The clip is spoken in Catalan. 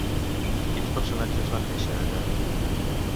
Quins personatges van néixer allà?